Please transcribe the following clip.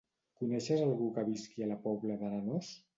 Coneixes algú que visqui a la Pobla d'Arenós?